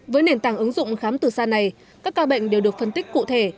với nền tảng ứng dụng khám từ xa này các ca bệnh đều được phân tích cụ thể